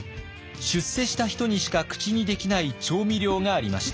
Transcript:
出世した人にしか口にできない調味料がありました。